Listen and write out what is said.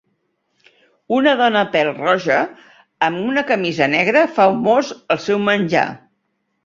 Una dona pèl-roja amb una camisa negra fa un mos al seu menjar.